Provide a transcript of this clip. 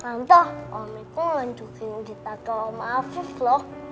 tante omiku mau ngacukin cerita ke om afif loh